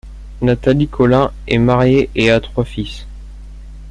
Nathalie Collin est mariée et a trois fils.